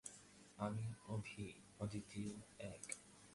আমি অভীঃ, অদ্বিতীয়, এক।